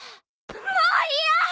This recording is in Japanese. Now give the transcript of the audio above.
もう嫌！！